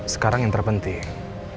sekarang yang terpenting